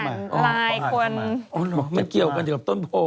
อ๋อเหรอมันเกี่ยวกันกับต้นโพ